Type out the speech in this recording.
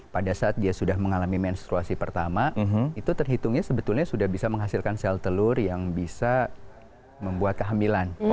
pada saat dia sudah mengalami menstruasi pertama itu terhitungnya sebetulnya sudah bisa menghasilkan sel telur yang bisa membuat kehamilan